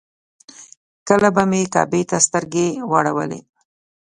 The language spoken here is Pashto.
کله به مې کعبې ته سترګې واړولې.